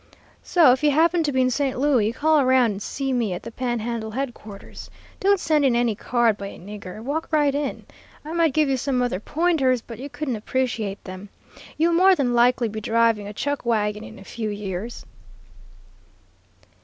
So if you happen to be in St. Louis, call around and see me at the Panhandle headquarters. Don't send in any card by a nigger; walk right in. I might give you some other pointers, but you couldn't appreciate them. You'll more than likely be driving a chuck wagon in a few years."